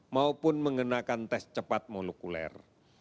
maupun mengenakan tes cepat molekuler